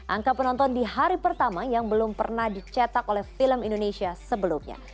angka penonton di hari pertama yang belum pernah dicetak oleh film indonesia sebelumnya